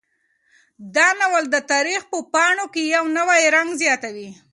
دا ناول د تاریخ په پاڼو کې یو نوی رنګ زیاتوي.